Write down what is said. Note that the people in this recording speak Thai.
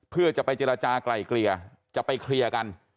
เพื่อจะไปเจรจากลายเกลี่ยจะไปเคลียร์กัน